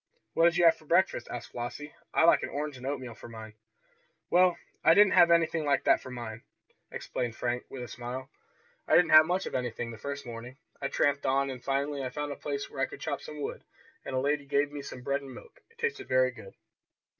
"What did you have for breakfast?" asked Flossie. "I like an orange and oatmeal for mine." "Well, I didn't have anything like that for mine," explained Frank with a smile. "I didn't have much of anything the first morning. I tramped on, and finally I found a place where I could chop some wood, and a lady gave me some bread and milk. It tasted very good."